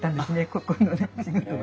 ここのね仕事が。